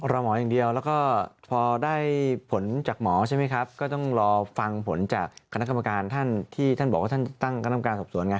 รอหมออย่างเดียวแล้วก็พอได้ผลจากหมอใช่ไหมครับก็ต้องรอฟังผลจากคณะกรรมการท่านที่ท่านบอกว่าท่านตั้งคณะกรรมการสอบสวนไง